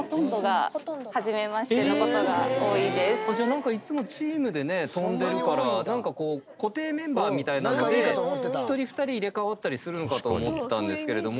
何かいつもチームでね飛んでるから固定メンバーみたいなので１人２人入れ替わったりするのかと思ってたんですけれども。